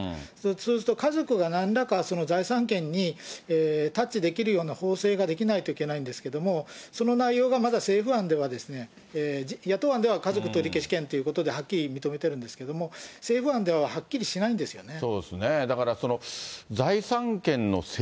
そうすると家族がなんらかその財産権にタッチできるような法制ができないといけないんですけれども、その内容が、まだ政府案では、野党案では家族取消権ということではっきり認めてるんですけれども、政府案でははっきりしないんですよね。